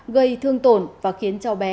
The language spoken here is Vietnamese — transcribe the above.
gây thương tổn và khiến cho bé